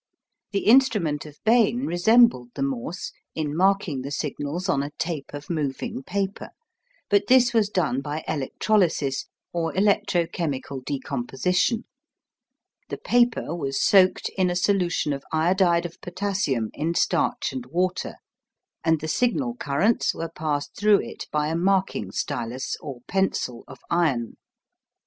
The instrument of Bain resembled the Morse in marking the signals on a tape of moving paper, but this was done by electrolysis or electro chemical decomposition. The paper was soaked in a solution of iodide of potassium in starch and water, and the signal currents were passed through it by a marking stylus or pencil of iron.